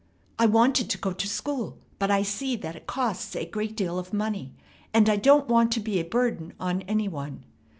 I wanted to go to school; but I see that it costs a great deal of money, and I don't want to be a burden on any one.